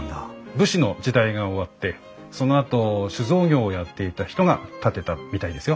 武士の時代が終わってそのあと酒造業をやっていた人が建てたみたいですよ。